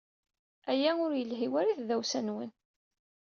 Aya ur yelhi ara i tdawsa-nwen.